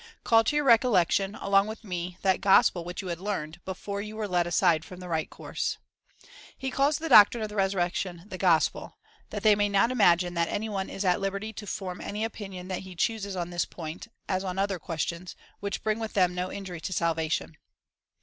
" Call to your recollection, along with me, that gospel which you had learned, before you were led aside from the right course.'' He calls the doctrine of the resurrection the gospel, that they may not imagine that any one is at liberty to form any opinion that he chooses on this point, as on other questions, which bring with them no injury to salvation.